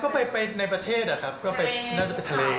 ไปในประเทศน่าจะไปทะเล